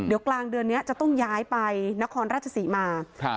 เดี๋ยวกลางเดือนนี้จะต้องย้ายไปนครราชศรีมา